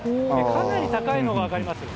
かなり高いのが分かります。